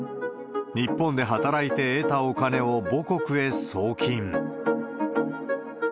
日本で働いて得たお金を母国へ送金。